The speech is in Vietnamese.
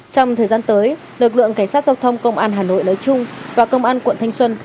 trong thời gian tới lực lượng cảnh sát giao thông công an hà nội nói chung và công an quận thanh xuân